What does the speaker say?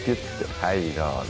はいどうぞ。